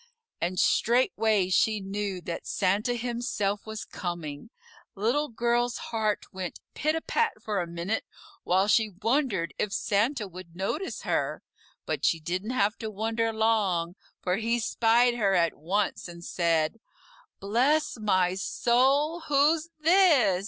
And straightway she knew that Santa himself was coming. Little Girl's heart went pit a pat for a minute while she wondered if Santa would notice her, but she didn't have to wonder long, for he spied her at once and said: "Bless my soul! who's this?